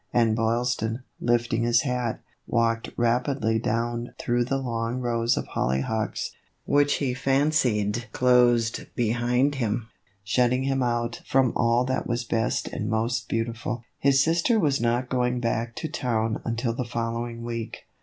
And Boylston, lifting his hat, walked rapidly down through the long rows of hollyhocks, which he fancied closed behind him, shutting him out from all that was best and most beautiful. His sister was not going back to town until the following week.